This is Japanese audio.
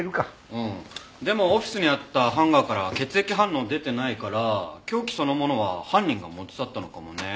でもオフィスにあったハンガーからは血液反応出てないから凶器そのものは犯人が持ち去ったのかもね。